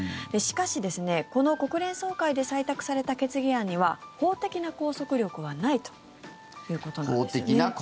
しかし、この国連総会で採択された決議案には法的な拘束力はないということなんですよね。